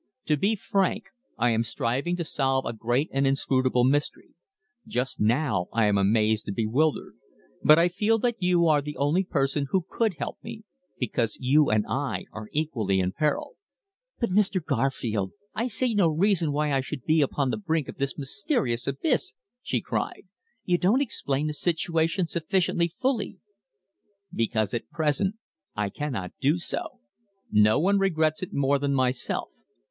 To be frank, I am striving to solve a great and inscrutable mystery. Just now I am amazed and bewildered. But I feel that you are the only person who could help me because you and I are equally in peril." "But, Mr. Garfield, I see no reason why I should be upon the brink of this mysterious abyss!" she cried. "You don't explain the situation sufficiently fully." "Because at present I cannot do so. No one regrets it more than myself.